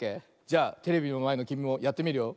じゃあテレビのまえのきみもやってみるよ。